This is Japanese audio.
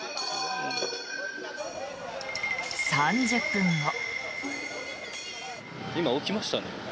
３０分後。